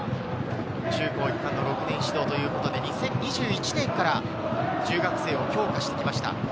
中高一貫の６年指導ということで、２０２１年から中学生を強化してきました。